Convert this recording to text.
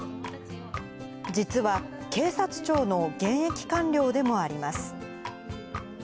実は警察庁の現役官僚でもあります。